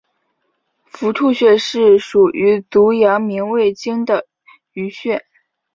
伏兔穴是属于足阳明胃经的腧穴。